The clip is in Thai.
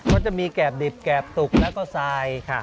ก็จะมีแกบดิบแกบตุกแล้วก็ทรายค่ะ